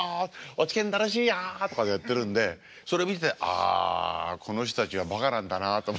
落研楽しいよ！」とかやってるんでそれ見てあこの人たちはバカなんだなと思って。